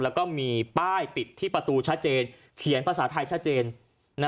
แล้วก็มีป้ายติดที่ประตูชัดเจนเขียนภาษาไทยชัดเจน